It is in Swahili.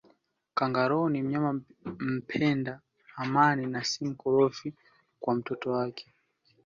Kangaroo ni mnyama mpenda amani na si mkorofi hata kwa mtoto wake